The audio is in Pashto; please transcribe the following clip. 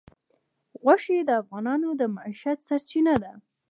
غوښې د افغانانو د معیشت سرچینه ده.